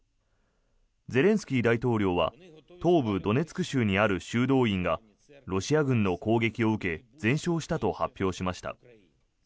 ゼレンスキー大統領は東部ドネツク州にある修道院がロシア軍の攻撃を受け全焼したと発表しました。